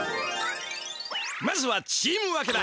まずはチーム分けだ。